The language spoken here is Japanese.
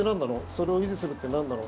それを維持するってなんなの？